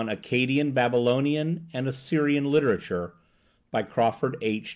ACCADIAN BABYLONIAN AND ASSYRIAN LITERATURE BY CRAWFORD H.